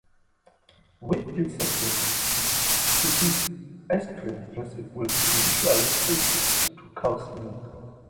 With its success, its ice cream recipe would eventually shift to cow's milk.